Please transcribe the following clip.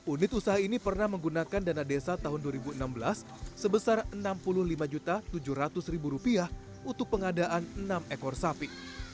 unit usaha ini pernah menggunakan dana desa tahun dua ribu enam belas sebesar rp enam puluh lima tujuh ratus untuk pengadaan enam ekor sapi